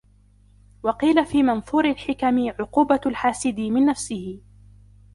وَقِيلَ فِي مَنْثُورِ الْحِكَمِ عُقُوبَةُ الْحَاسِدِ مِنْ نَفْسِهِ